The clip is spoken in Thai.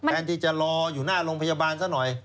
แทนที่จะรออยู่หน้าโรงพยาบาลซะหน่อย